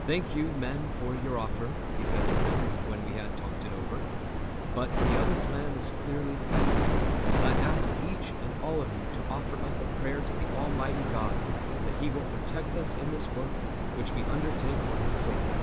"Thank you, men, for your offer," he said to them, when we had talked it over; "but the other plan is clearly the best, and I ask each and all of you to offer up a prayer to Almighty God that He will protect us in this work which we undertake for His sake."